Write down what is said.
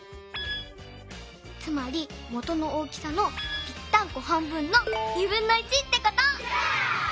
つまりもとの大きさのぴったんこ半分のってこと！